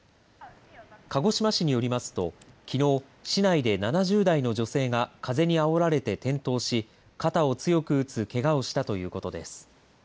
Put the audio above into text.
鹿児島市によりますときのう市内で７０代の女性が風にあおられて転倒し肩を強く打つけがをしたということです。